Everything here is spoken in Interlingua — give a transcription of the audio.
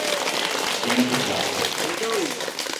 Como te place